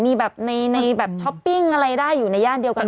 มีแบบในแบบช้อปปิ้งอะไรได้อยู่ในย่านเดียวกัน